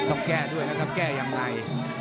้าวก้าวแก้ยังไใก้